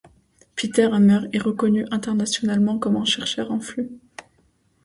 Peter Hammer est reconnu internationalement comme un chercheur influent.